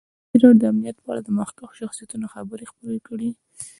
ازادي راډیو د امنیت په اړه د مخکښو شخصیتونو خبرې خپرې کړي.